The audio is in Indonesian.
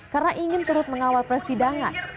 karena ingin turut mengawal persidangan